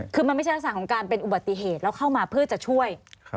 คือมันไม่ใช่ลักษณะของการเป็นอุบัติเหตุแล้วเข้ามาเพื่อจะช่วย